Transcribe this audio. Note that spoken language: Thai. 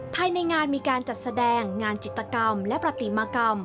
ภายในงานมีการจัดแสดงงานจิตกรรมและปฏิมากรรม